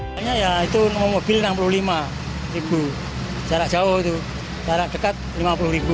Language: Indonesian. soalnya ya itu mobil enam puluh lima ribu jarak jauh itu jarak dekat rp lima puluh